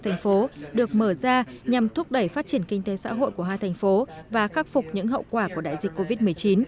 nhằm thúc đẩy phát triển kinh tế xã hội của hai thành phố và khắc phục những hậu quả của đại dịch covid một mươi chín